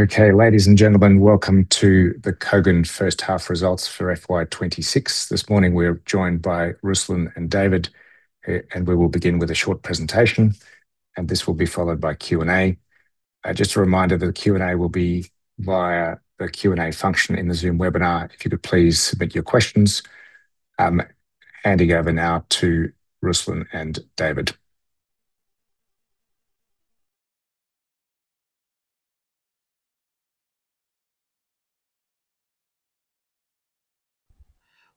Okay, ladies and gentlemen, welcome to the Kogan first half results for FY26. This morning, we're joined by Ruslan and David. We will begin with a short presentation, and this will be followed by Q&A. Just a reminder that the Q&A will be via the Q&A function in the Zoom webinar. If you could please submit your questions. I'm handing over now to Ruslan and David.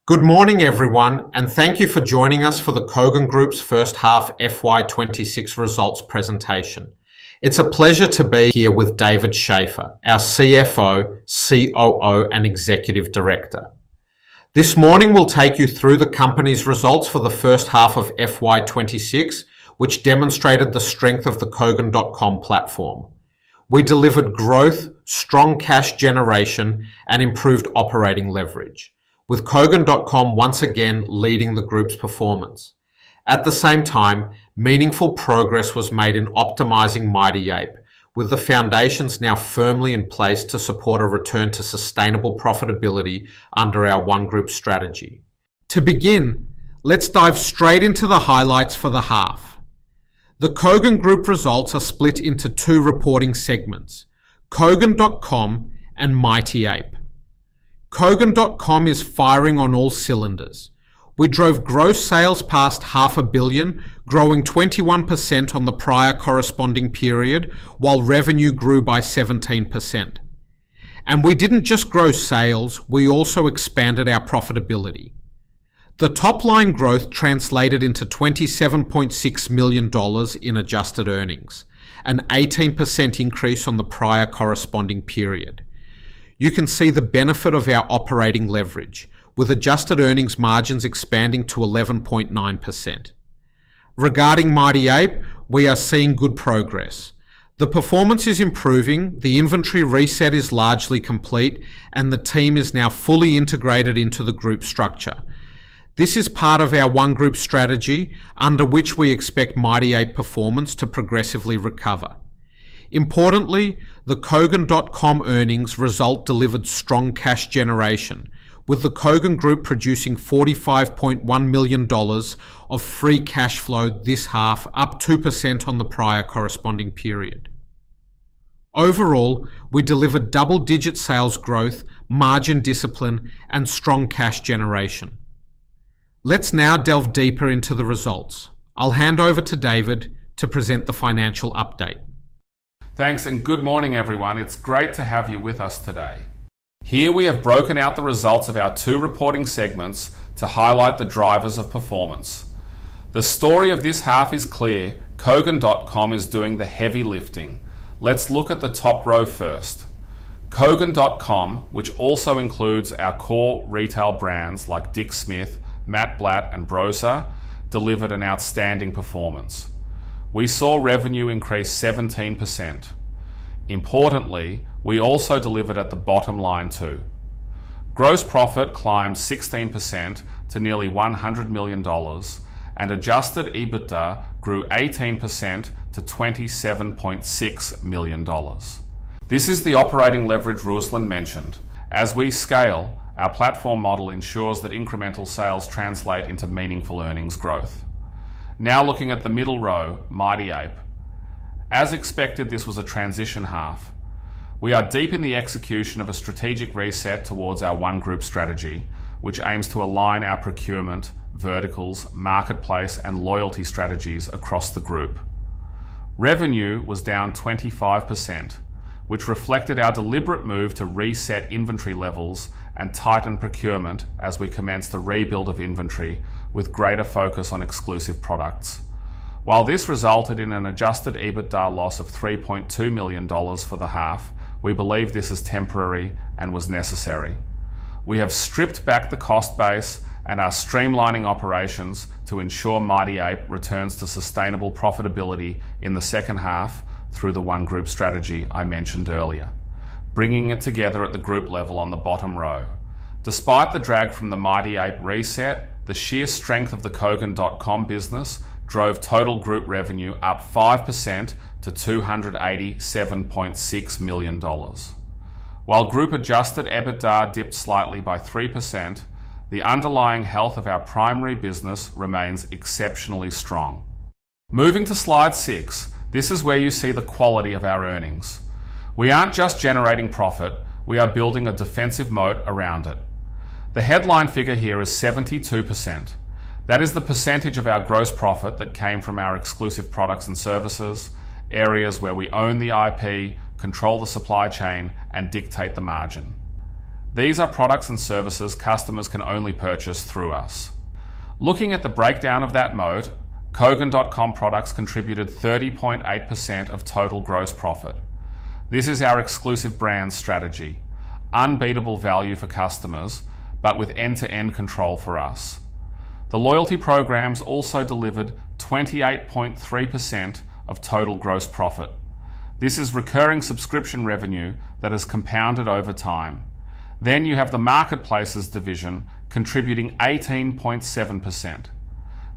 Good morning, everyone, thank you for joining us for the Kogan Group's first half FY26 results presentation. It's a pleasure to be here with David Shafer, our CFO, COO, and Executive Director. This morning, we'll take you through the company's results for the first half of FY26, which demonstrated the strength of the Kogan.com platform. We delivered growth, strong cash generation, and improved operating leverage, with Kogan.com once again leading the group's performance. At the same time, meaningful progress was made in optimizing Mighty Ape, with the foundations now firmly in place to support a return to sustainable profitability under our One Group Strategy. To begin, let's dive straight into the highlights for the half. The Kogan Group results are split into two reporting segments: Kogan.com and Mighty Ape. Kogan.com is firing on all cylinders. We drove gross sales past $500 million, growing 21% on the prior corresponding period, while revenue grew by 17%. We didn't just grow sales, we also expanded our profitability. The top-line growth translated into 27.6 million dollars in adjusted earnings, an 18% increase on the prior corresponding period. You can see the benefit of our operating leverage, with adjusted earnings margins expanding to 11.9%. Regarding Mighty Ape, we are seeing good progress. The performance is improving, the inventory reset is largely complete, and the team is now fully integrated into the group structure. This is part of our One Group Strategy, under which we expect Mighty Ape performance to progressively recover. Importantly, the Kogan.com earnings result delivered strong cash generation, with the Kogan Group producing 45.1 million dollars of free cash flow this half, up 2% on the prior corresponding period. Overall, we delivered double-digit sales growth, margin discipline, and strong cash generation. Let's now delve deeper into the results. I'll hand over to David to present the financial update. Thanks, good morning, everyone. It's great to have you with us today. Here, we have broken out the results of our two reporting segments to highlight the drivers of performance. The story of this half is clear: Kogan.com is doing the heavy lifting. Let's look at the top row first. Kogan.com, which also includes our core retail brands like Dick Smith, Matt Blatt, and Brosa, delivered an outstanding performance. We saw revenue increase 17%. Importantly, we also delivered at the bottom line, too. Gross profit climbed 16% to nearly 100 million dollars, and Adjusted EBITDA grew 18% to 27.6 million dollars. This is the operating leverage Ruslan mentioned. As we scale, our platform model ensures that incremental sales translate into meaningful earnings growth. Looking at the middle row, Mighty Ape. As expected, this was a transition half. We are deep in the execution of a strategic reset towards our One Group Strategy, which aims to align our procurement, verticals, marketplace, and loyalty strategies across the group. Revenue was down 25%, which reflected our deliberate move to reset inventory levels and tighten procurement as we commenced the rebuild of inventory with greater focus on exclusive products. While this resulted in an Adjusted EBITDA loss of 3.2 million dollars for the half, we believe this is temporary and was necessary. We have stripped back the cost base and are streamlining operations to ensure Mighty Ape returns to sustainable profitability in the second half through the One Group Strategy I mentioned earlier, bringing it together at the group level on the bottom row. Despite the drag from the Mighty Ape reset, the sheer strength of the Kogan.com business drove total group revenue up 5% to 287.6 million dollars. While group Adjusted EBITDA dipped slightly by 3%, the underlying health of our primary business remains exceptionally strong. Moving to slide six, this is where you see the quality of our earnings. We aren't just generating profit. We are building a defensive moat around it. The headline figure here is 72%. That is the percentage of our Gross profit that came from our exclusive products and services, areas where we own the IP, control the supply chain, and dictate the margin. These are products and services customers can only purchase through us. Looking at the breakdown of that moat, Kogan.com products contributed 30.8% of total Gross profit. This is our exclusive brand strategy, unbeatable value for customers, but with end-to-end control for us. The loyalty programs also delivered 28.3% of total gross profit. This is recurring subscription revenue that is compounded over time. You have the marketplaces division contributing 18.7%.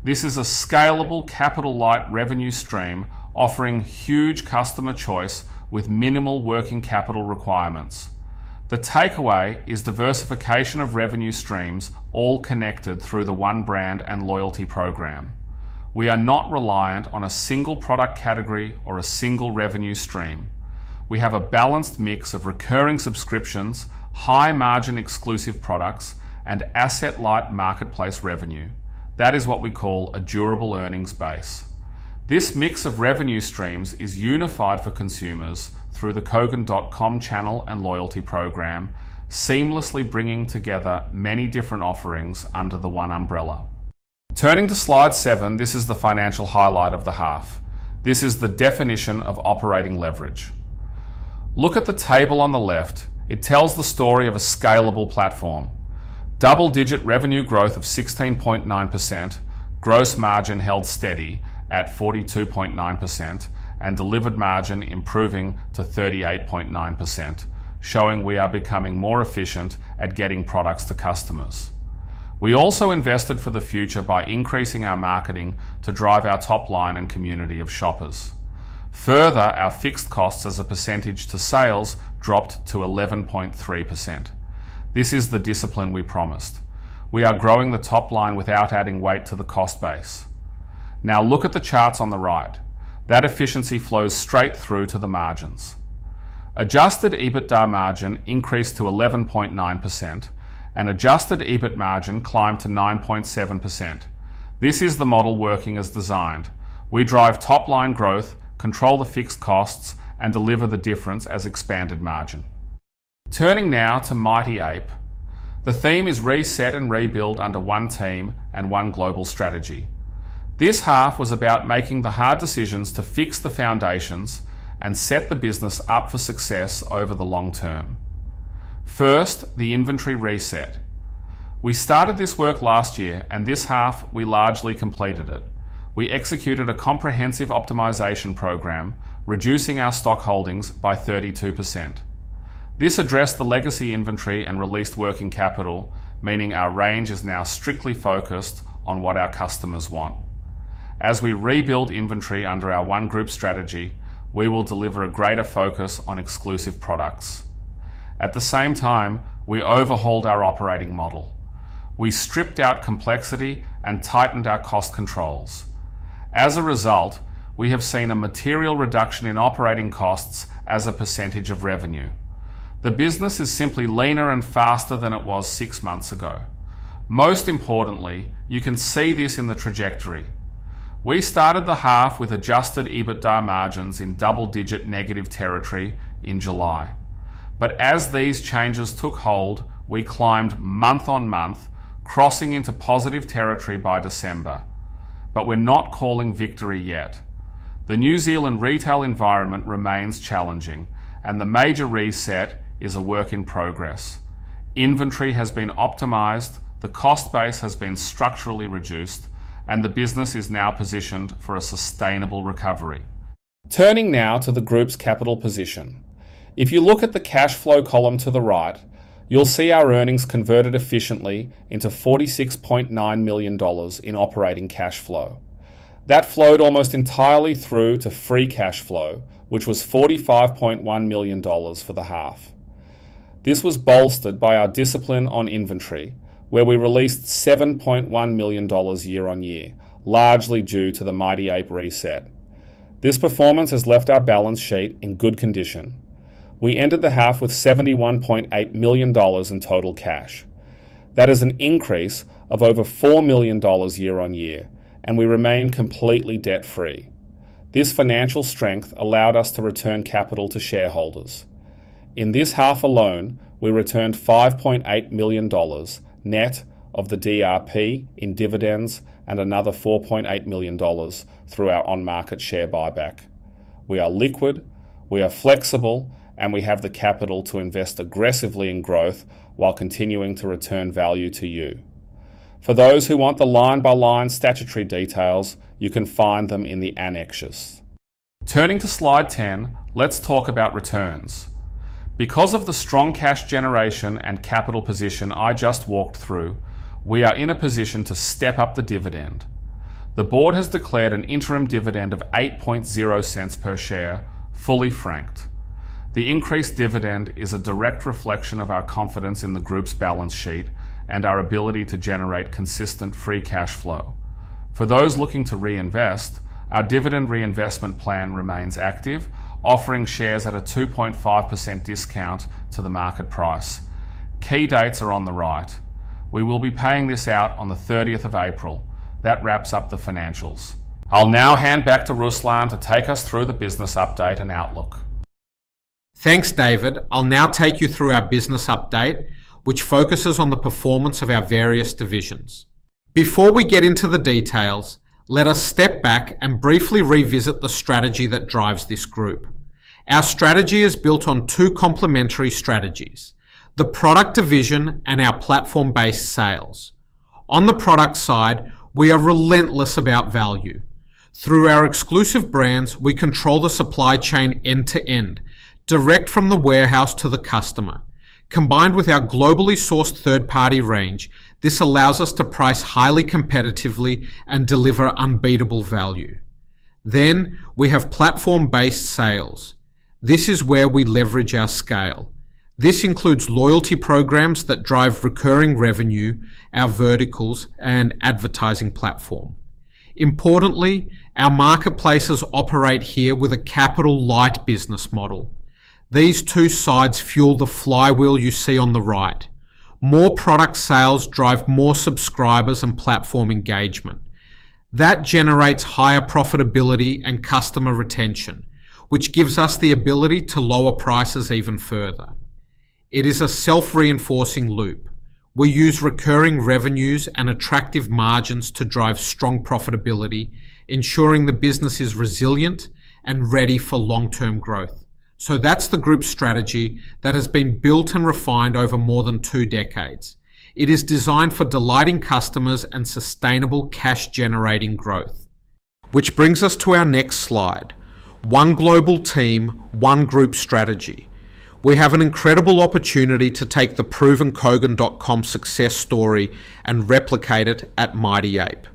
This is a scalable, capital-light revenue stream offering huge customer choice with minimal working capital requirements. The takeaway is diversification of revenue streams, all connected through the one brand and loyalty program. We are not reliant on a single product category or a single revenue stream. We have a balanced mix of recurring subscriptions, high-margin exclusive products, and asset-light marketplace revenue. That is what we call a durable earnings base. This mix of revenue streams is unified for consumers through the Kogan.com channel and loyalty program, seamlessly bringing together many different offerings under the one umbrella. Turning to slide seven, this is the financial highlight of the half. This is the definition of operating leverage. Look at the table on the left. It tells the story of a scalable platform. Double-digit revenue growth of 16.9%, gross margin held steady at 42.9%, and delivered margin improving to 38.9%, showing we are becoming more efficient at getting products to customers. We also invested for the future by increasing our marketing to drive our top line and community of shoppers. Further, our fixed costs as a percentage to sales dropped to 11.3%. This is the discipline we promised. We are growing the top line without adding weight to the cost base. Now, look at the charts on the right. That efficiency flows straight through to the margins. Adjusted EBITDA margin increased to 11.9%, and Adjusted EBIT margin climbed to 9.7%. This is the model working as designed. We drive top-line growth, control the fixed costs, and deliver the difference as expanded margin. Turning now to Mighty Ape. The theme is reset and rebuild under one team and one global strategy. This half was about making the hard decisions to fix the foundations and set the business up for success over the long term. First, the inventory reset. We started this work last year, and this half we largely completed it. We executed a comprehensive optimization program, reducing our stock holdings by 32%. This addressed the legacy inventory and released working capital, meaning our range is now strictly focused on what our customers want. As we rebuild inventory under our One Group Strategy, we will deliver a greater focus on exclusive products. At the same time, we overhauled our operating model. We stripped out complexity and tightened our cost controls. As a result, we have seen a material reduction in operating costs as a percentage of revenue. The business is simply leaner and faster than it was six months ago. Most importantly, you can see this in the trajectory. We started the half with Adjusted EBITDA margins in double-digit negative territory in July. As these changes took hold, we climbed month-on-month, crossing into positive territory by December. We're not calling victory yet. The New Zealand retail environment remains challenging, and the major reset is a work in progress. Inventory has been optimized, the cost base has been structurally reduced, and the business is now positioned for a sustainable recovery. Turning now to the group's capital position. If you look at the cash flow column to the right, you'll see our earnings converted efficiently into 46.9 million dollars in operating cash flow. That flowed almost entirely through to free cash flow, which was 45.1 million dollars for the half. This was bolstered by our discipline on inventory, where we released 7.1 million dollars year-on-year, largely due to the Mighty Ape reset. This performance has left our balance sheet in good condition. We ended the half with 71.8 million dollars in total cash. That is an increase of over 4 million dollars year-on-year, and we remain completely debt-free. This financial strength allowed us to return capital to shareholders. In this half alone, we returned 5.8 million dollars, net of the DRP in dividends and another 4.8 million dollars through our on-market share buyback. We are liquid, we are flexible, and we have the capital to invest aggressively in growth while continuing to return value to you. For those who want the line-by-line statutory details, you can find them in the annexures. Turning to Slide 10, let's talk about returns. Because of the strong cash generation and capital position I just walked through, we are in a position to step up the dividend. The board has declared an interim dividend of 0.08 per share, fully franked. The increased dividend is a direct reflection of our confidence in the group's balance sheet and our ability to generate consistent free cash flow. For those looking to reinvest, our dividend reinvestment plan remains active, offering shares at a 2.5% discount to the market price. Key dates are on the right. We will be paying this out on the 30th of April. That wraps up the financials. I'll now hand back to Ruslan to take us through the business update and outlook. Thanks, David. I'll now take you through our business update, which focuses on the performance of our various divisions. Before we get into the details, let us step back and briefly revisit the strategy that drives this group. Our strategy is built on two complementary strategies: the product division and our platform-based sales. On the product side, we are relentless about value. Through our exclusive brands, we control the supply chain end to end, direct from the warehouse to the customer. Combined with our globally sourced third-party range, this allows us to price highly competitively and deliver unbeatable value. We have platform-based sales. This is where we leverage our scale. This includes loyalty programs that drive recurring revenue, our verticals, and advertising platform. Importantly, our marketplaces operate here with a capital-light business model. These two sides fuel the flywheel you see on the right. More product sales drive more subscribers and platform engagement. That generates higher profitability and customer retention, which gives us the ability to lower prices even further. It is a self-reinforcing loop. We use recurring revenues and attractive margins to drive strong profitability, ensuring the business is resilient and ready for long-term growth. That's the group strategy that has been built and refined over more than two decades. It is designed for delighting customers and sustainable cash-generating growth. Which brings us to our next slide: one global team, One Group Strategy. We have an incredible opportunity to take the proven Kogan.com success story and replicate it at Mighty Ape.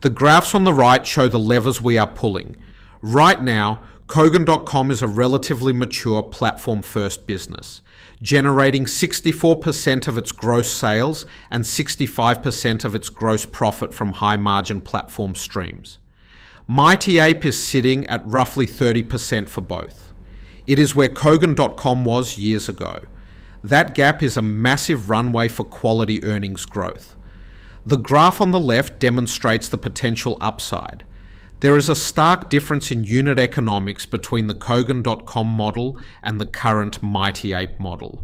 The graphs on the right show the levers we are pulling. Right now, Kogan.com is a relatively mature platform-first business, generating 64% of its gross sales and 65% of its gross profit from high-margin platform streams. Mighty Ape is sitting at roughly 30% for both. It is where Kogan.com was years ago. That gap is a massive runway for quality earnings growth. The graph on the left demonstrates the potential upside. There is a stark difference in unit economics between the Kogan.com model and the current Mighty Ape model.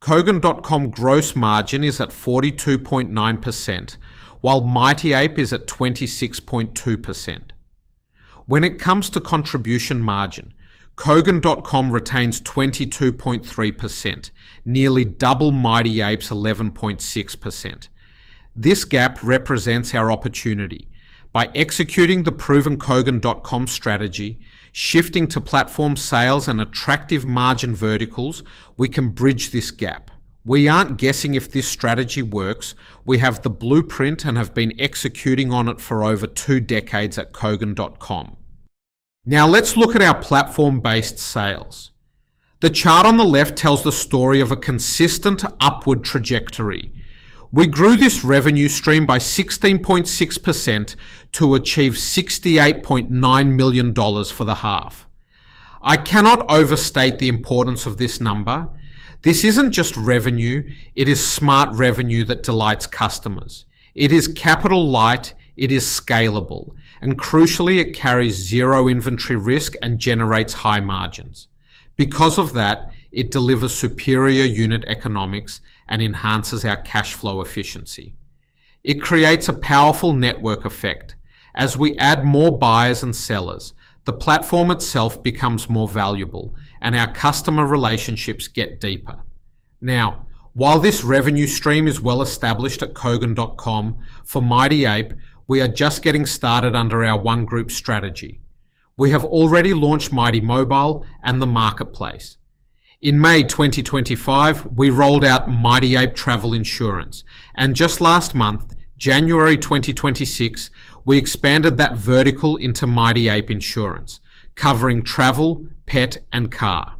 Kogan.com gross margin is at 42.9%, while Mighty Ape is at 26.2%. When it comes to contribution margin, Kogan.com retains 22.3%, nearly double Mighty Ape's 11.6%. This gap represents our opportunity. By executing the proven Kogan.com strategy, shifting to platform sales and attractive margin verticals, we can bridge this gap. We aren't guessing if this strategy works. We have the blueprint and have been executing on it for over 2 decades at Kogan.com. Now, let's look at our platform-based sales. The chart on the left tells the story of a consistent upward trajectory. We grew this revenue stream by 16.6% to achieve 68.9 million dollars for the half. I cannot overstate the importance of this number. This isn't just revenue, it is smart revenue that delights customers. It is capital light, it is scalable, and crucially, it carries zero inventory risk and generates high margins. Because of that, it delivers superior unit economics and enhances our cash flow efficiency. It creates a powerful network effect. As we add more buyers and sellers, the platform itself becomes more valuable and our customer relationships get deeper. Now, while this revenue stream is well-established at Kogan.com, for Mighty Ape, we are just getting started under our One Group Strategy. We have already launched Mighty Mobile and the marketplace. In May 2025, we rolled out Mighty Ape Travel Insurance. Just last month, January 2026, we expanded that vertical into Mighty Ape Insurance, covering travel, pet, and car.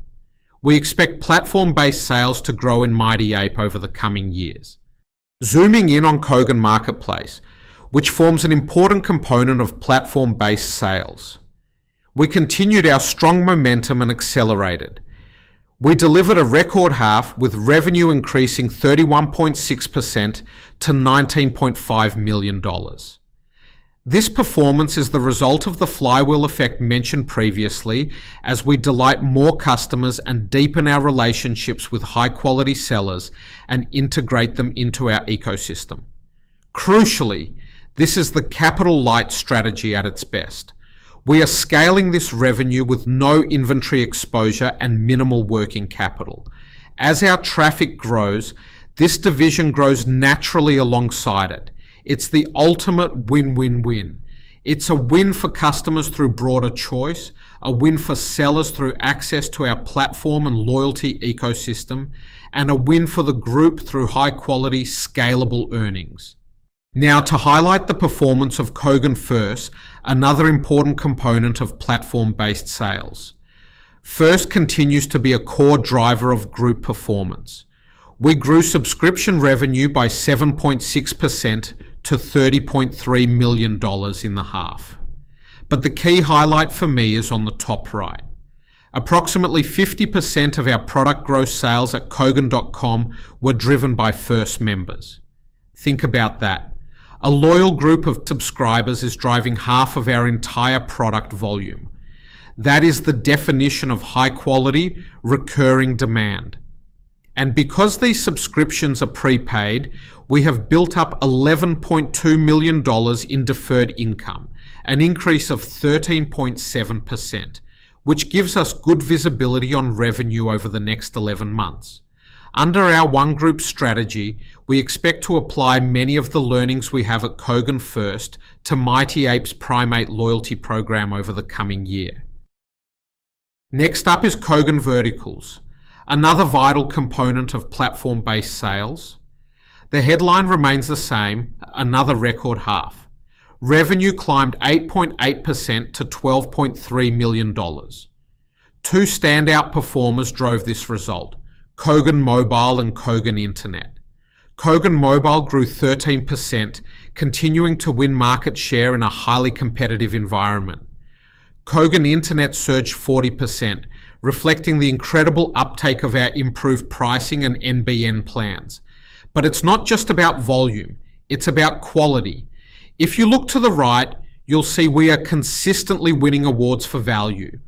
We expect platform-based sales to grow in Mighty Ape over the coming years. Zooming in on Kogan Marketplace, which forms an important component of platform-based sales, we continued our strong momentum and accelerated. We delivered a record half, with revenue increasing 31.6% to 19.5 million dollars. This performance is the result of the flywheel effect mentioned previously, as we delight more customers and deepen our relationships with high-quality sellers and integrate them into our ecosystem. Crucially, this is the capital-light strategy at its best. We are scaling this revenue with no inventory exposure and minimal working capital. As our traffic grows, this division grows naturally alongside it. It's the ultimate win-win-win. It's a win for customers through broader choice, a win for sellers through access to our platform and loyalty ecosystem, and a win for the group through high-quality, scalable earnings. Now, to highlight the performance of Kogan FIRST, another important component of platform-based sales. First continues to be a core driver of group performance. We grew subscription revenue by 7.6% to 30.3 million dollars in the half. The key highlight for me is on the top right. Approximately 50% of our product gross sales at Kogan.com were driven by First members. Think about that. A loyal group of subscribers is driving half of our entire product volume. That is the definition of high-quality, recurring demand. Because these subscriptions are prepaid, we have built up 11.2 million dollars in deferred income, an increase of 13.7%, which gives us good visibility on revenue over the next 11 months. Under our One Group Strategy, we expect to apply many of the learnings we have at Kogan FIRST to Mighty Ape's PrimeApe loyalty program over the coming year. Next up is Kogan Verticals, another vital component of platform-based sales. The headline remains the same: Another record half. Revenue climbed 8.8% to 12.3 million dollars. Two standout performers drove this result: Kogan Mobile and Kogan Internet. Kogan Mobile grew 13%, continuing to win market share in a highly competitive environment. Kogan Internet surged 40%, reflecting the incredible uptake of our improved pricing and NBN plans. It's not just about volume, it's about quality. If you look to the right, you'll see we are consistently winning awards for value.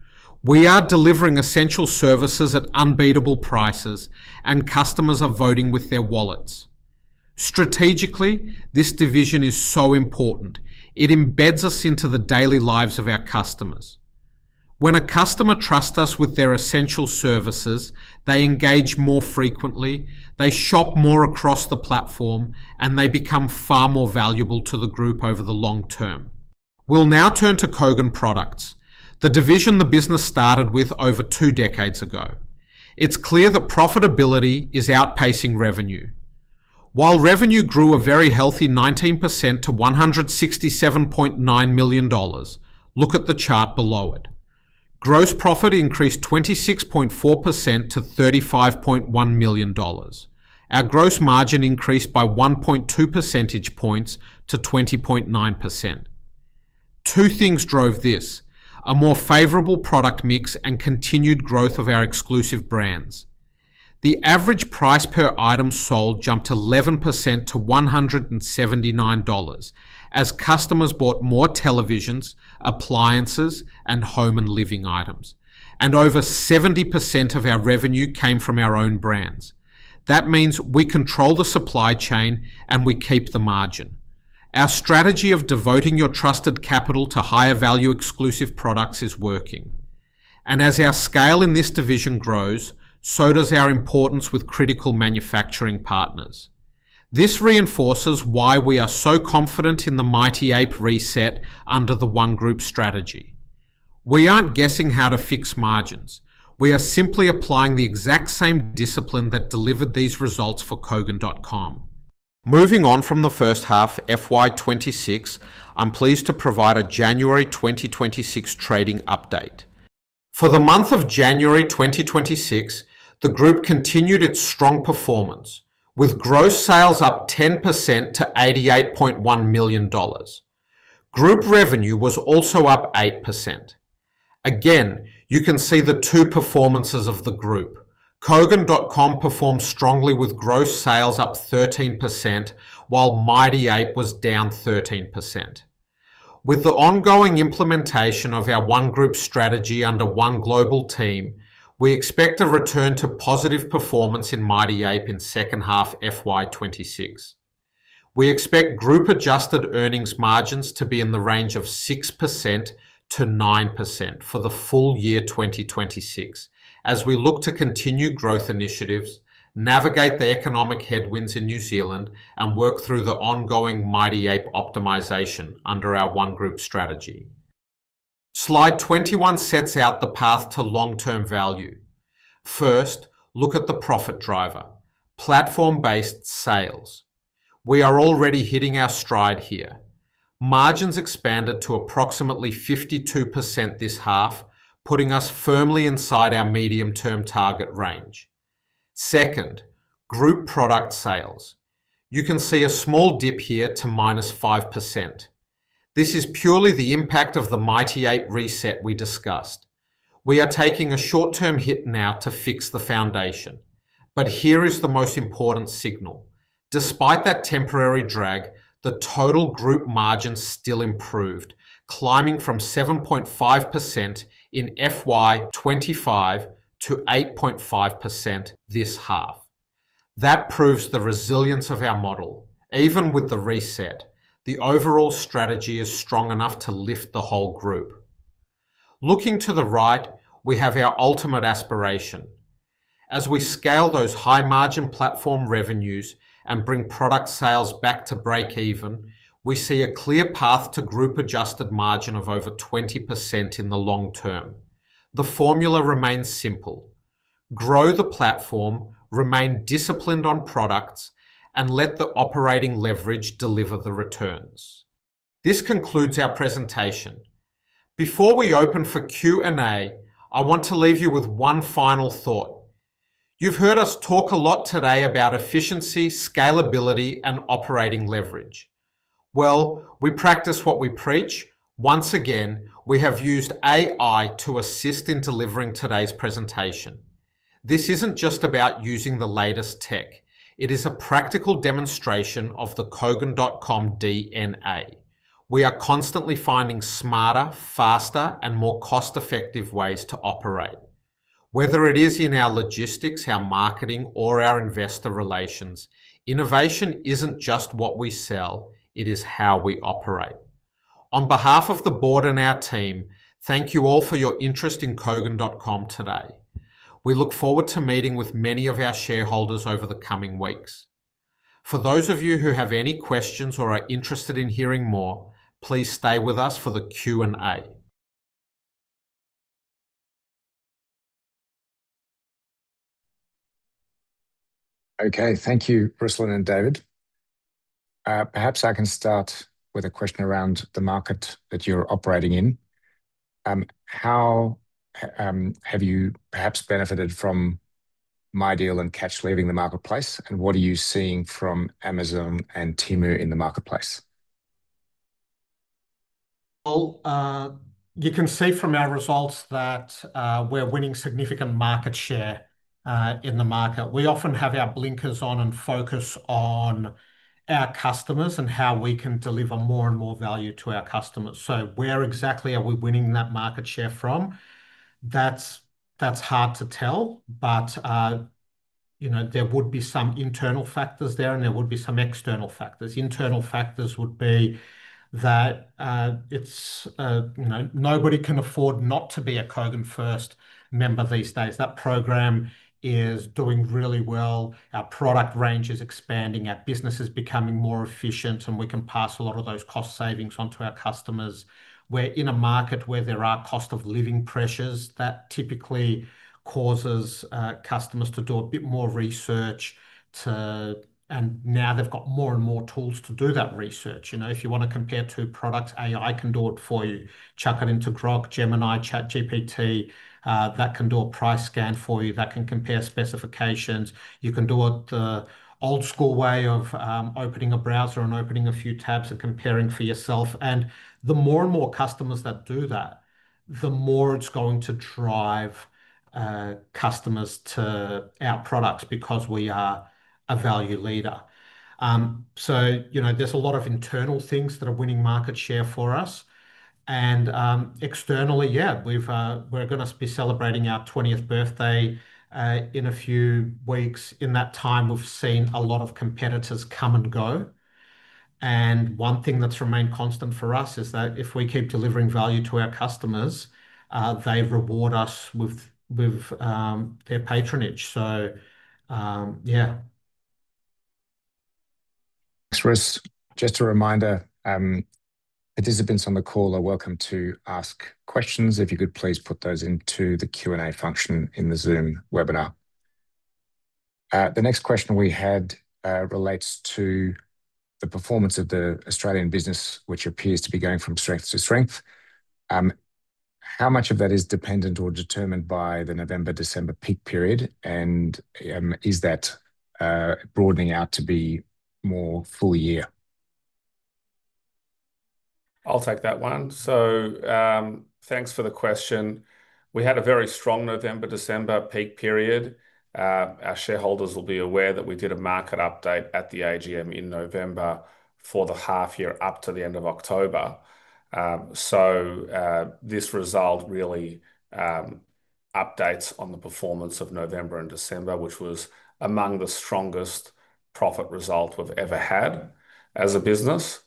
We are delivering essential services at unbeatable prices, and customers are voting with their wallets. Strategically, this division is so important. It embeds us into the daily lives of our customers. When a customer trusts us with their essential services, they engage more frequently, they shop more across the platform, and they become far more valuable to the group over the long term. We'll now turn to Kogan Products, the division the business started with over two decades ago. It's clear that profitability is outpacing revenue. While revenue grew a very healthy 19% to 167.9 million dollars, look at the chart below it. Gross profit increased 26.4% to 35.1 million dollars. Our gross margin increased by 1.2 percentage points to 20.9%. Two things drove this: a more favorable product mix and continued growth of our exclusive brands. The average price per item sold jumped 11% to 179 dollars as customers bought more televisions, appliances, and home and living items, and over 70% of our revenue came from our own brands. That means we control the supply chain and we keep the margin. Our strategy of devoting your trusted capital to higher value exclusive products is working. As our scale in this division grows, so does our importance with critical manufacturing partners. This reinforces why we are so confident in the Mighty Ape reset under the One Group Strategy. We aren't guessing how to fix margins. We are simply applying the exact same discipline that delivered these results for Kogan.com. Moving on from the first half, FY26, I'm pleased to provide a January 2026 trading update. For the month of January 2026, the group continued its strong performance, with gross sales up 10% to 88.1 million dollars. Group revenue was also up 8%. Again, you can see the two performances of the group. Kogan.com performed strongly with gross sales up 13%, while Mighty Ape was down 13%. With the ongoing implementation of our One Group Strategy under One Global Team, we expect a return to positive performance in Mighty Ape in second half FY26. We expect group-adjusted earnings margins to be in the range of 6% to 9% for the full year 2026, as we look to continue growth initiatives, navigate the economic headwinds in New Zealand, and work through the ongoing Mighty Ape optimization under our One Group Strategy. Slide 21 sets out the path to long-term value. First, look at the profit driver: platform-based sales. We are already hitting our stride here. Margins expanded to approximately 52% this half, putting us firmly inside our medium-term target range. Second, group product sales. You can see a small dip here to -5%. This is purely the impact of the Mighty Ape reset we discussed. We are taking a short-term hit now to fix the foundation, but here is the most important signal: Despite that temporary drag, the total group margin still improved, climbing from 7.5% in FY25 to 8.5% this half. That proves the resilience of our model. Even with the reset, the overall strategy is strong enough to lift the whole group. Looking to the right, we have our ultimate aspiration. As we scale those high-margin platform revenues and bring product sales back to breakeven, we see a clear path to group-adjusted margin of over 20% in the long term. The formula remains simple: grow the platform, remain disciplined on products, and let the operating leverage deliver the returns. This concludes our presentation. Before we open for Q&A, I want to leave you with one final thought. You've heard us talk a lot today about efficiency, scalability, and operating leverage. Well, we practice what we preach. Once again, we have used AI to assist in delivering today's presentation. This isn't just about using the latest tech. It is a practical demonstration of the Kogan.com DNA. We are constantly finding smarter, faster, and more cost-effective ways to operate. Whether it is in our logistics, our marketing, or our investor relations, innovation isn't just what we sell, it is how we operate. On behalf of the board and our team, thank you all for your interest in Kogan.com today. We look forward to meeting with many of our shareholders over the coming weeks. For those of you who have any questions or are interested in hearing more, please stay with us for the Q&A. Okay, thank you, Ruslan and David. Perhaps I can start with a question around the market that you're operating in. How have you perhaps benefited from MyDeal and Catch leaving the marketplace? What are you seeing from Amazon and Temu in the marketplace? Well, you can see from our results that we're winning significant market share in the market. We often have our blinkers on and focus on our customers, and how we can deliver more and more value to our customers. Where exactly are we winning that market share from? That's, that's hard to tell, but, you know, there would be some internal factors there, and there would be some external factors. Internal factors would be that it's, you know, nobody can afford not to be a Kogan FIRST member these days. That program is doing really well. Our product range is expanding, our business is becoming more efficient, and we can pass a lot of those cost savings on to our customers. We're in a market where there are cost-of-living pressures that typically causes customers to do a bit more research to... Now they've got more and more tools to do that research. You know, if you want to compare two products, AI can do it for you. Chuck it into Grok, Gemini, ChatGPT, that can do a price scan for you, that can compare specifications. You can do it the old-school way of opening a browser and opening a few tabs and comparing for yourself. The more and more customers that do that, the more it's going to drive customers to our products because we are a value leader. So, you know, there's a lot of internal things that are winning market share for us. Externally, yeah, we're going to be celebrating our 20th birthday in a few weeks. In that time, we've seen a lot of competitors come and go, and one thing that's remained constant for us is that if we keep delivering value to our customers, they reward us with, with, their patronage. Yeah. Thanks, Russ. Just a reminder, participants on the call are welcome to ask questions. If you could please put those into the Q&A function in the Zoom webinar. The next question we had relates to the performance of the Australian business, which appears to be going from strength to strength. How much of that is dependent or determined by the November, December peak period? Is that broadening out to be more full year? I'll take that one. Thanks for the question. We had a very strong November, December peak period. Our shareholders will be aware that we did a market update at the AGM in November for the half year up to the end of October. This result really updates on the performance of November and December, which was among the strongest profit result we've ever had as a business.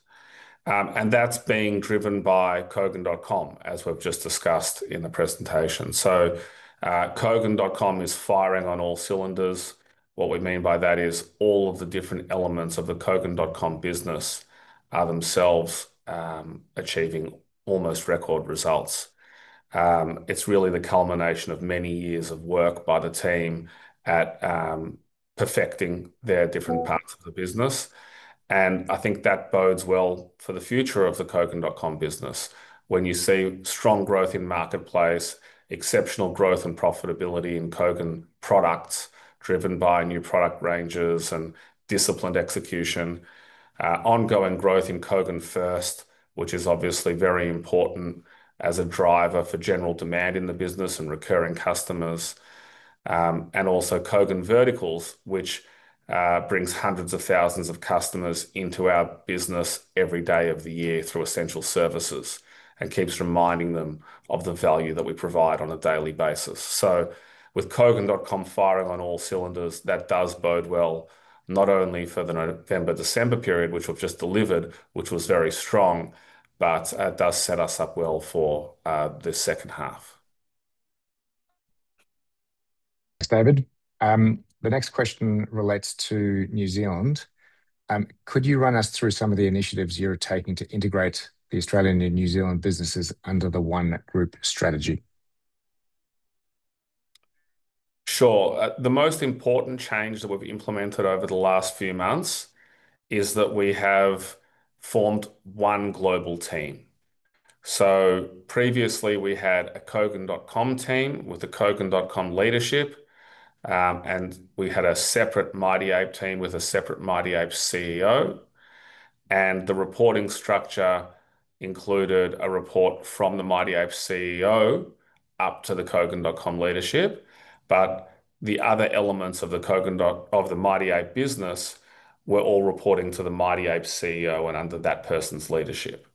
That's being driven by Kogan.com, as we've just discussed in the presentation. Kogan.com is firing on all cylinders. What we mean by that is all of the different elements of the Kogan.com business are themselves achieving almost record results. It's really the culmination of many years of work by the team at perfecting their different parts of the business, and I think that bodes well for the future of the Kogan.com business. When you see strong growth in marketplace, exceptional growth and profitability in Kogan products, driven by new product ranges and disciplined execution. Ongoing growth in Kogan FIRST, which is obviously very important as a driver for general demand in the business and recurring customers. And also Kogan Verticals, which brings hundreds of thousands of customers into our business every day of the year through essential services, and keeps reminding them of the value that we provide on a daily basis. With Kogan.com firing on all cylinders, that does bode well, not only for the November, December period, which we've just delivered, which was very strong, but it does set us up well for the second half. Thanks, David. The next question relates to New Zealand. Could you run us through some of the initiatives you're taking to integrate the Australian and New Zealand businesses under the One Group Strategy? Sure. The most important change that we've implemented over the last few months is that we have formed one global team. Previously, we had a Kogan.com team with a Kogan.com leadership, and we had a separate Mighty Ape team with a separate Mighty Ape CEO. The reporting structure included a report from the Mighty Ape CEO up to the Kogan.com leadership. The other elements of the Kogan-- of the Mighty Ape business were all reporting to the Mighty Ape CEO and under that person's leadership.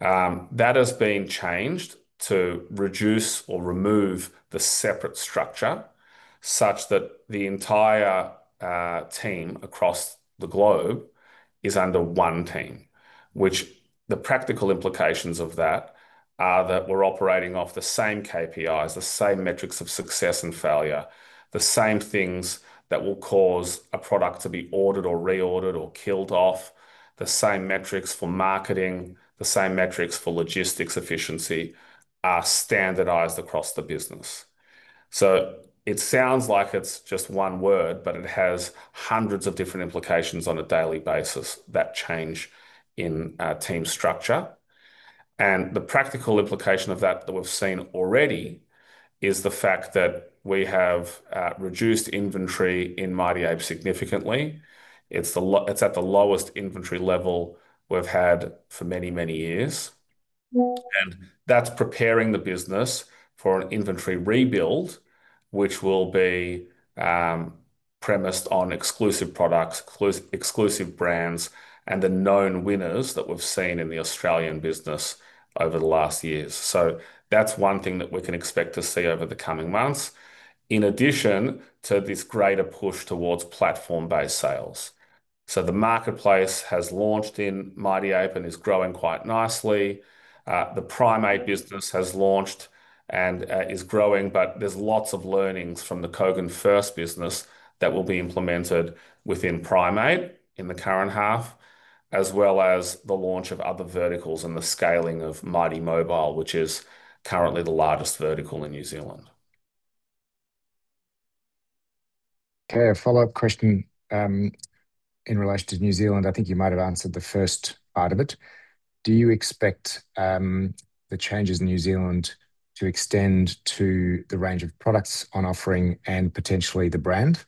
That has been changed to reduce or remove the separate structure, such that the entire team across the globe-... is under one team, which the practical implications of that are that we're operating off the same KPIs, the same metrics of success and failure, the same things that will cause a product to be ordered or reordered or killed off. The same metrics for marketing, the same metrics for logistics efficiency are standardized across the business. So it sounds like it's just one word, but it has hundreds of different implications on a daily basis that change in our team structure. And the practical implication of that, that we've seen already, is the fact that we have reduced inventory in Mighty Ape significantly. It's at the lowest inventory level we've had for many, many years. That's preparing the business for an inventory rebuild, which will be premised on exclusive products, exclusive brands, and the known winners that we've seen in the Australian business over the last years. That's one thing that we can expect to see over the coming months, in addition to this greater push towards platform-based sales. The marketplace has launched in Mighty Ape and is growing quite nicely. The PrimeApe business has launched and is growing, but there's lots of learnings from the Kogan FIRST business that will be implemented within PrimeApe in the current half, as well as the launch of other verticals and the scaling of Mighty Mobile, which is currently the largest vertical in New Zealand. Okay, a follow-up question, in relation to New Zealand. I think you might have answered the first part of it. Do you expect the changes in New Zealand to extend to the range of products on offering and potentially the brand?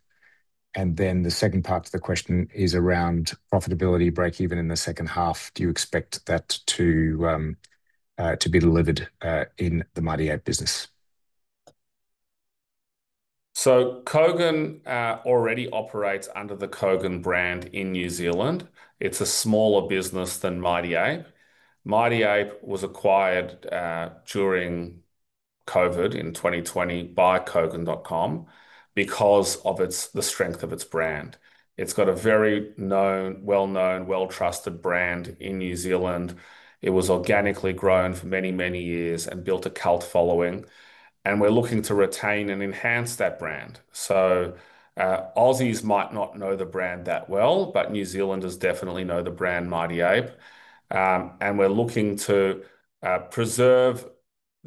The second part to the question is around profitability, break even in the second half. Do you expect that to be delivered in the Mighty Ape business? Kogan already operates under the Kogan brand in New Zealand. It's a smaller business than Mighty Ape. Mighty Ape was acquired during COVID in 2020 by Kogan.com because of its the strength of its brand. It's got a very known, well-known, well-trusted brand in New Zealand. It was organically grown for many, many years and built a cult following, and we're looking to retain and enhance that brand. Aussies might not know the brand that well, but New Zealanders definitely know the brand Mighty Ape. And we're looking to preserve the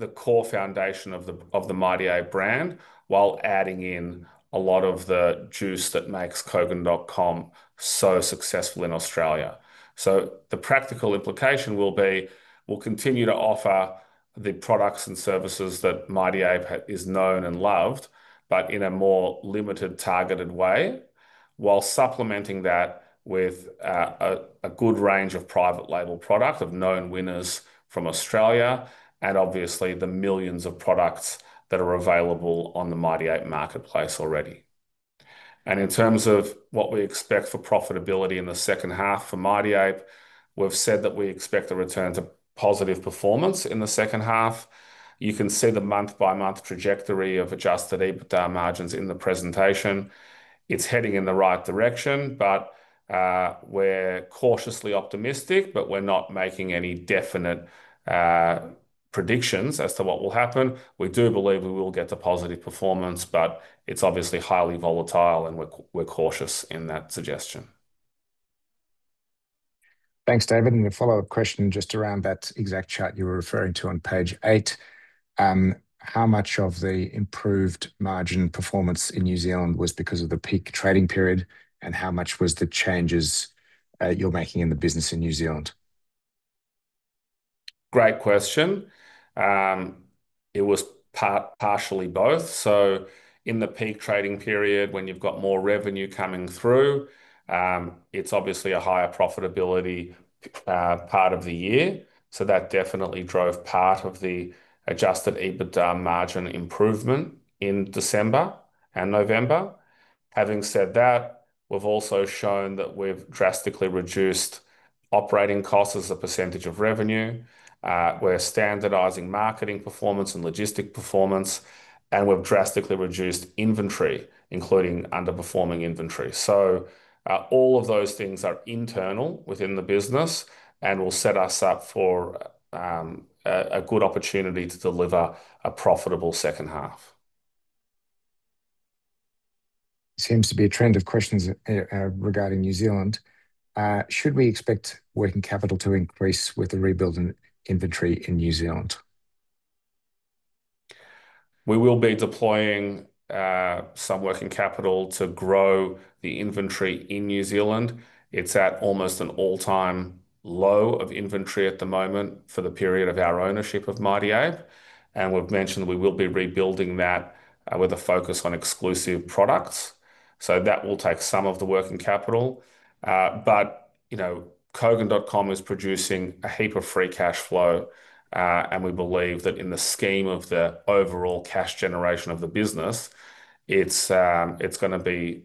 core foundation of the, of the Mighty Ape brand, while adding in a lot of the juice that makes Kogan.com so successful in Australia. The practical implication will be, we'll continue to offer the products and services that Mighty Ape is known and loved, but in a more limited, targeted way, while supplementing that with a good range of private label product, of known winners from Australia, and obviously, the millions of products that are available on the Mighty Ape marketplace already. In terms of what we expect for profitability in the second half for Mighty Ape, we've said that we expect a return to positive performance in the second half. You can see the month-by-month trajectory of Adjusted EBITDA margins in the presentation. It's heading in the right direction, but we're cautiously optimistic, but we're not making any definite predictions as to what will happen. We do believe we will get to positive performance, but it's obviously highly volatile, and we're cautious in that suggestion. Thanks, David. A follow-up question just around that exact chart you were referring to on page 8. How much of the improved margin performance in New Zealand was because of the peak trading period, and how much was the changes, you're making in the business in New Zealand? Great question. It was partially both. In the peak trading period, when you've got more revenue coming through, it's obviously a higher profitability part of the year. That definitely drove part of the Adjusted EBITDA margin improvement in December and November. Having said that, we've also shown that we've drastically reduced operating costs as a % of revenue. We're standardizing marketing performance and logistic performance, and we've drastically reduced inventory, including underperforming inventory. All of those things are internal within the business and will set us up for a good opportunity to deliver a profitable second half. Seems to be a trend of questions regarding New Zealand. Should we expect working capital to increase with the rebuild in inventory in New Zealand? We will be deploying some working capital to grow the inventory in New Zealand. It's at almost an all-time low of inventory at the moment for the period of our ownership of Mighty Ape, and we've mentioned we will be rebuilding that with a focus on exclusive products. That will take some of the working capital. You know, Kogan.com is producing a heap of free cash flow, and we believe that in the scheme of the overall cash generation of the business, it's gonna be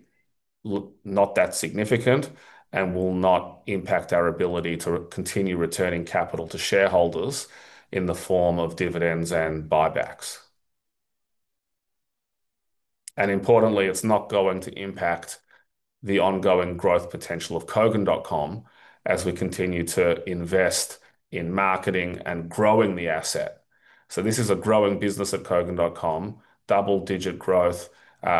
not that significant and will not impact our ability to continue returning capital to shareholders in the form of dividends and buybacks. Importantly, it's not going to impact the ongoing growth potential of Kogan.com as we continue to invest in marketing and growing the asset. This is a growing business at Kogan.com, double-digit growth.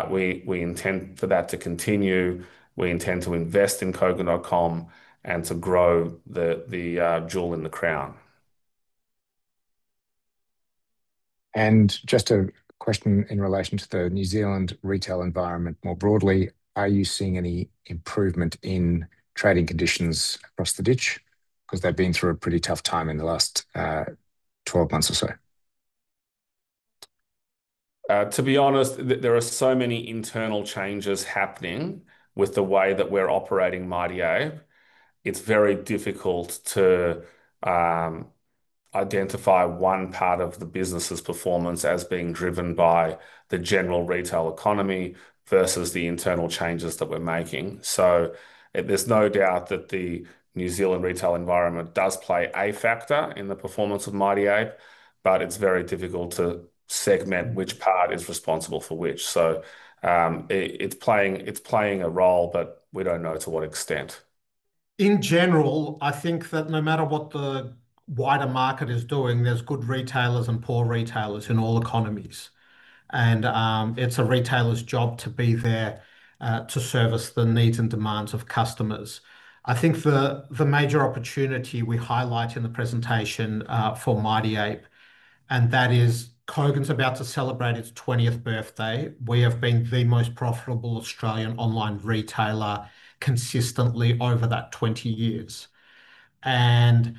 We intend for that to continue. We intend to invest in Kogan.com and to grow the jewel in the crown. Just a question in relation to the New Zealand retail environment more broadly, Are you seeing any improvement in trading conditions across the ditch, 'Cause they've been through a pretty tough time in the last, 12 months or so? To be honest, there are so many internal changes happening with the way that we're operating Mighty Ape. It's very difficult to identify one part of the business's performance as being driven by the general retail economy versus the internal changes that we're making. There's no doubt that the New Zealand retail environment does play a factor in the performance of Mighty Ape, but it's very difficult to segment which part is responsible for which. It, it's playing, it's playing a role, but we don't know to what extent. In general, I think that no matter what the wider market is doing, there's good retailers and poor retailers in all economies. It's a retailer's job to be there, to service the needs and demands of customers. I think the, the major opportunity we highlight in the presentation, for Mighty Ape, that is Kogan's about to celebrate its 20th birthday. We have been the most profitable Australian online retailer consistently over that 20 years, and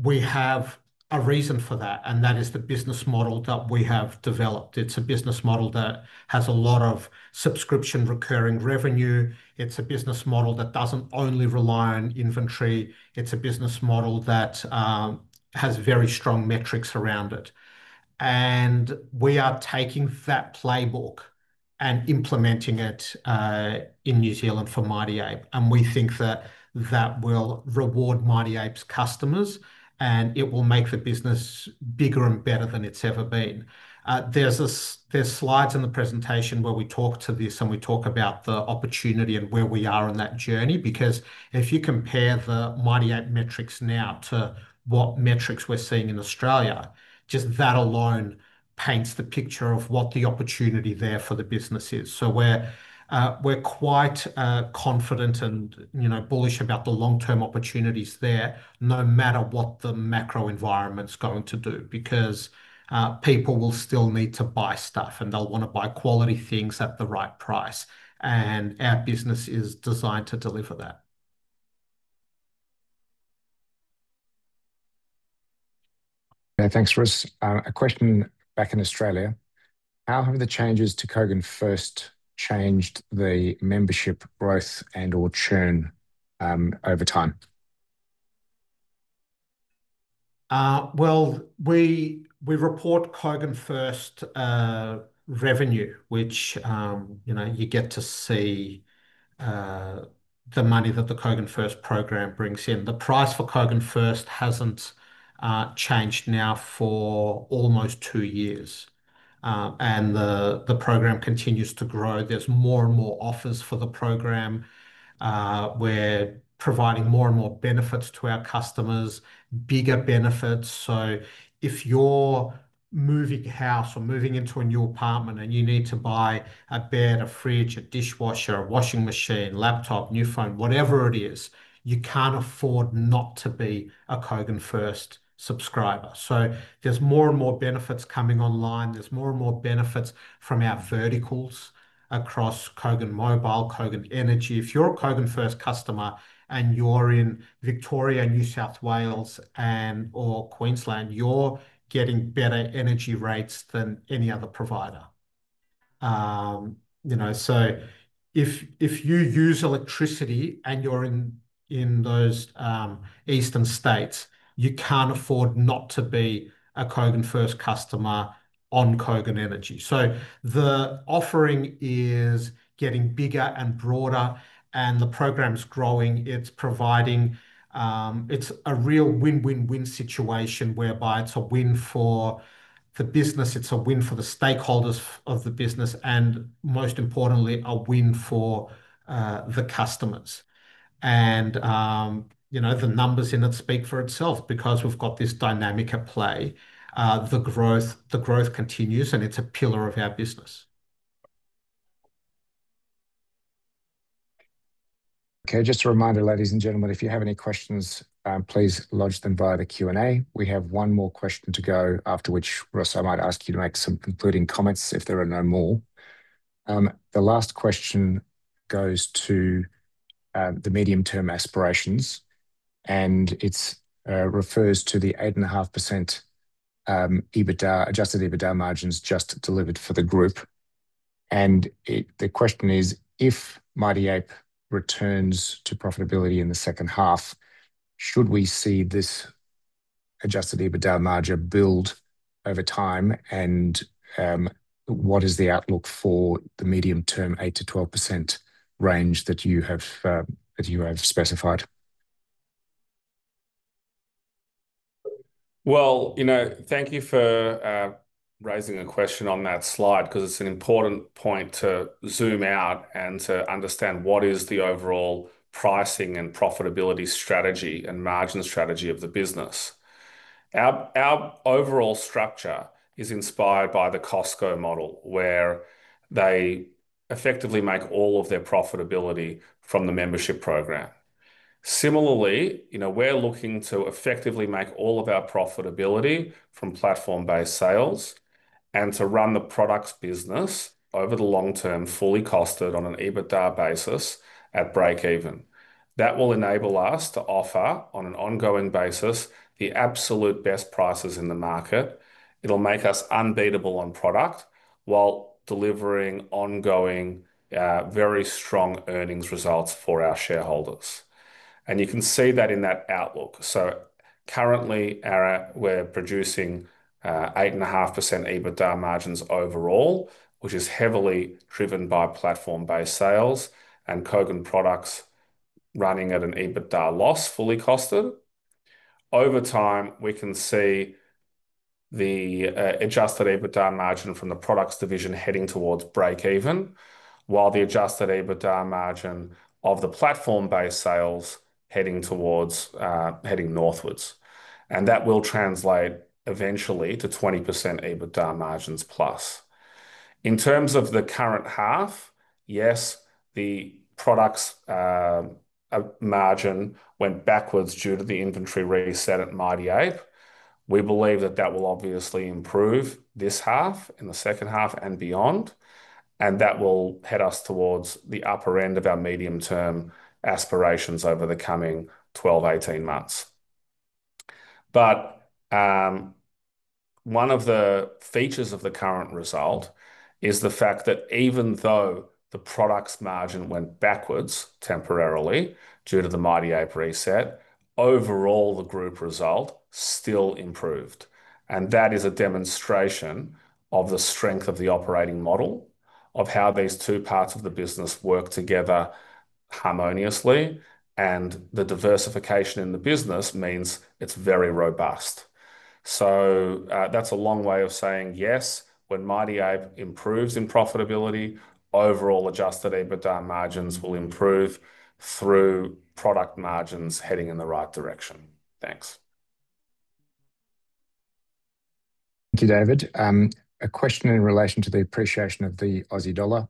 we have a reason for that, and that is the business model that we have developed. It's a business model that has a lot of subscription recurring revenue. It's a business model that doesn't only rely on inventory. It's a business model that has very strong metrics around it. We are taking that playbook and implementing it in New Zealand for Mighty Ape, and we think that that will reward Mighty Ape's customers, and it will make the business bigger and better than it's ever been. There's slides in the presentation where we talk to this, and we talk about the opportunity and where we are on that journey. If you compare the Mighty Ape metrics now to what metrics we're seeing in Australia, just that alone paints the picture of what the opportunity there for the business is. We're quite confident and, you know, bullish about the long-term opportunities there, no matter what the macro environment's going to do. People will still need to buy stuff, and they'll want to buy quality things at the right price, and our business is designed to deliver that. Yeah, thanks, Russ. A question back in Australia. How have the changes to Kogan FIRST changed the membership growth and/or churn over time? Well, we, we report Kogan FIRST revenue, which, you know, you get to see the money that the Kogan FIRST program brings in. The price for Kogan FIRST hasn't changed now for almost two years. The, the program continues to grow. There's more and more offers for the program. We're providing more and more benefits to our customers, bigger benefits. If you're moving house or moving into a new apartment and you need to buy a bed, a fridge, a dishwasher, a washing machine, laptop, new phone, whatever it is, you can't afford not to be a Kogan FIRST subscriber. There's more and more benefits coming online. There's more and more benefits from our verticals across Kogan Mobile, Kogan Energy. If you're a Kogan FIRST customer and you're in Victoria, New South Wales, and/or Queensland, you're getting better energy rates than any other provider. You know, so if, if you use electricity and you're in, in those eastern states, you can't afford not to be a Kogan FIRST customer on Kogan Energy. The offering is getting bigger and broader, and the program's growing. It's providing. It's a real win-win-win situation, whereby it's a win for the business, it's a win for the stakeholders of the business, and most importantly, a win for the customers. You know, the numbers in it speak for itself. We've got this dynamic at play, the growth, the growth continues, and it's a pillar of our business. Okay, just a reminder, ladies and gentlemen, if you have any questions, please lodge them via the Q&A. We have one more question to go, after which, Russ, I might ask you to make some concluding comments if there are no more. The last question goes to the medium-term aspirations, and it refers to the 8.5% EBITDA, adjusted EBITDA margins just delivered for the group. The question is: If Mighty Ape returns to profitability in the second half, should we see this adjusted EBITDA margin build over time? What is the outlook for the medium-term 8%-12% range that you have that you have specified? Well, you know, thank you for raising a question on that slide, 'cause it's an important point to zoom out and to understand what is the overall pricing and profitability strategy and margin strategy of the business. Our, our overall structure is inspired by the Costco model, where they effectively make all of their profitability from the membership program. Similarly, you know, we're looking to effectively make all of our profitability from platform-based sales, and to run the products business over the long term, fully costed on an EBITDA basis at break even. That will enable us to offer, on an ongoing basis, the absolute best prices in the market. It'll make us unbeatable on product, while delivering ongoing, very strong earnings results for our shareholders. You can see that in that outlook. Currently, our, we're producing 8.5% EBITDA margins overall, which is heavily driven by platform-based sales and Kogan.com products running at an EBITDA loss, fully costed. Over time, we can see the adjusted EBITDA margin from the products division heading towards break even, while the adjusted EBITDA margin of the platform-based sales heading towards heading northwards. That will translate eventually to 20% EBITDA margins plus. In terms of the current half, yes, the products margin went backwards due to the inventory reset at Mighty Ape. We believe that that will obviously improve this half, in the second half and beyond, and that will head us towards the upper end of our medium-term aspirations over the coming 12-18 months. One of the features of the current result is the fact that even though the products margin went backwards temporarily due to the Mighty Ape reset, overall, the group result still improved. That is a demonstration of the strength of the operating model, of how these two parts of the business work together harmoniously, and the diversification in the business means it's very robust. That's a long way of saying, yes, when Mighty Ape improves in profitability, overall Adjusted EBITDA margins will improve through product margins heading in the right direction. Thanks. Thank you, David. A question in relation to the appreciation of the Aussie dollar.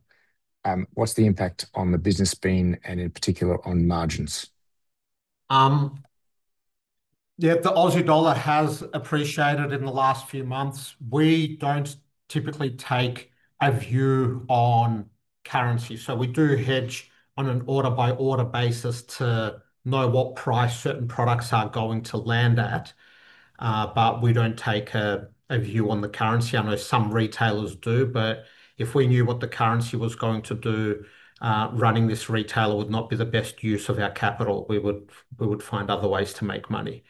What's the impact on the business been, and in particular, on margins? The Aussie dollar has appreciated in the last few months. We don't typically take a view on currency, so we do hedge on an order-by-order basis to know what price certain products are going to land at. We don't take a view on the currency. I know some retailers do, but if we knew what the currency was going to do, running this retailer would not be the best use of our capital. We would, we would find other ways to make money.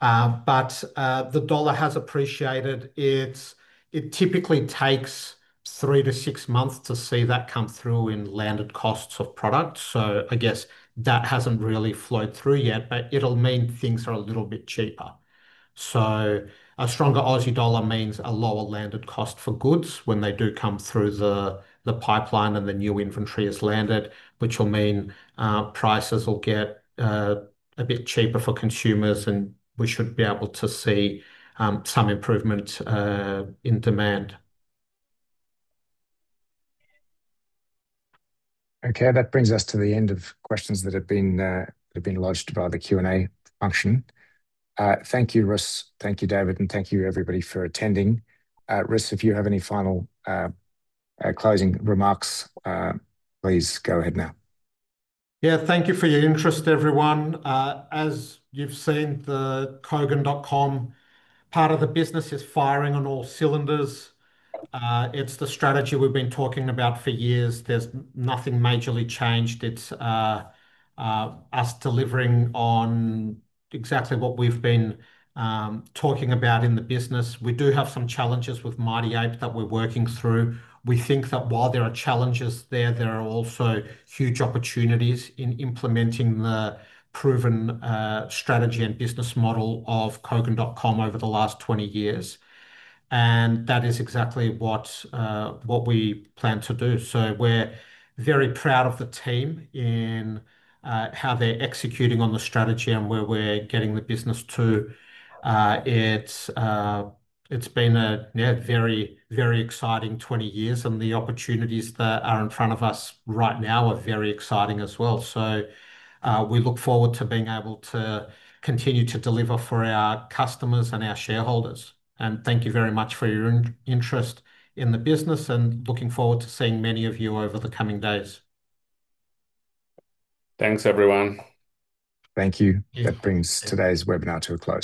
The dollar has appreciated. It typically takes three to six months to see that come through in landed costs of products, so I guess that hasn't really flowed through yet, but it'll mean things are a little bit cheaper. A stronger Aussie dollar means a lower landed cost for goods when they do come through the, the pipeline, and the new inventory is landed, which will mean prices will get a bit cheaper for consumers, and we should be able to see some improvement in demand. Okay, that brings us to the end of questions that have been, that have been lodged by the Q&A function. Thank you, Russ. Thank you, David, and thank you, everybody, for attending. Russ, if you have any final, closing remarks, please go ahead now. Yeah, thank you for your interest, everyone. As you've seen, the Kogan.com part of the business is firing on all cylinders. It's the strategy we've been talking about for years. There's nothing majorly changed. It's us delivering on exactly what we've been talking about in the business. We do have some challenges with Mighty Ape that we're working through. We think that while there are challenges there, there are also huge opportunities in implementing the proven strategy and business model of Kogan.com over the last 20 years, and that is exactly what we plan to do. We're very proud of the team in how they're executing on the strategy and where we're getting the business to. It's, yeah, very, very exciting 20 years, and the opportunities that are in front of us right now are very exciting as well. We look forward to being able to continue to deliver for our customers and our shareholders. Thank you very much for your in- interest in the business, and looking forward to seeing many of you over the coming days. Thanks, everyone. Thank you. Yeah. That brings today's webinar to a close.